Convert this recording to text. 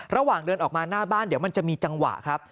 ระหว่างเดินออกมาหน้าบ้านเดี๋ยวมันจะมีจังหวะครับ